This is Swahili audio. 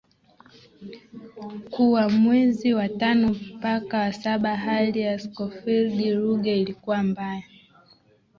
kuwa mwezi mwezi wa tano mpaka wa saba hali ya Scofield Ruge ilikuwa mbaya